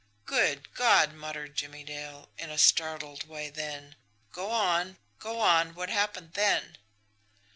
"Good God!" muttered Jimmie Dale, in a startled way then: "Go on! Go on! What happened then?"